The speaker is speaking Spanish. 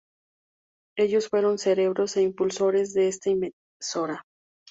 Ellos fueron cerebros e impulsores de esta emisora.